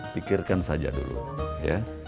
pikirkan saja dulu ya